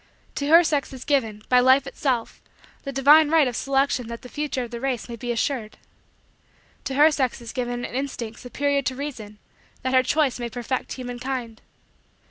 To her sex is given, by Life itself, the divine right of selection that the future of the race may be assured. To her sex is given an instinct superior to reason that her choice may perfect human kind.